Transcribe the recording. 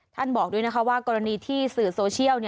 ท่านบอกด้วยว่ากรณีที่สื่อโซเชียล